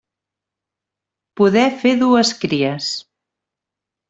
Poder fer dues cries.